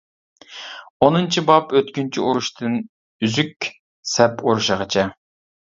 ئونىنچى باب ئۆتكۈنچى ئۇرۇشتىن ئۈزۈك سەپ ئۇرۇشىغىچە